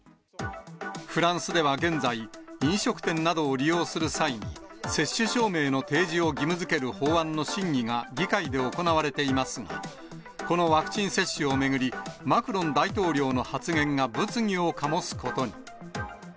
フランスでは現在、飲食店などを利用する際に、接種証明の提示を義務づける法案の審議が議会で行われていますが、このワクチン接種を巡り、マクロン大統領の発言が物議を醸すことに。